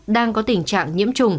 đang có tình trạng nhiễm